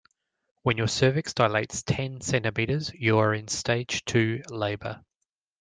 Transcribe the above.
When your cervix dilates ten centimetres you are in stage two labour.